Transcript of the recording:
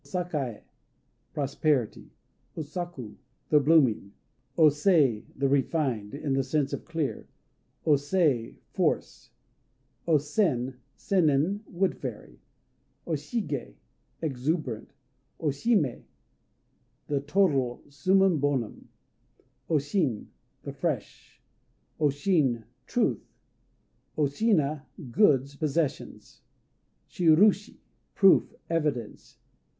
Sakaë "Prosperity." O Saku "The Blooming." O Sei "The Refined," in the sense of "clear." O Sei "Force." O Sen "Sennin," wood fairy. O Shigé "Exuberant." O Shimé "The Total," summum bonum. O Shin "The Fresh." O Shin "Truth." O Shina "Goods," possessions. Shirushi "Proof," evidence.